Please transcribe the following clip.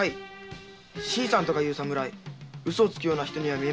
「新さん」とかいう侍ウソをつくような人には見えません。